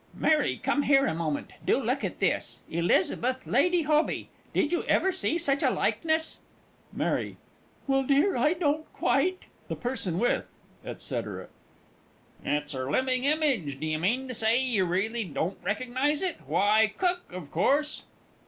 Mary, come here a moment. Do look at this "Elizabeth, Lady Hoby" did you ever see such a likeness? MARY. Well, dear, I don't quite THE PERSON WITH, &C. It's her living image! Do you mean to say you really don't recognise it? Why, Cook, of course!